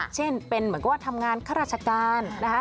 เช่นเป็นเหมือนกับว่าทำงานข้าราชการนะคะ